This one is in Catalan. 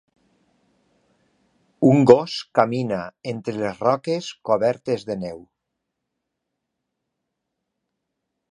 Un gos camina entre les roques cobertes de neu.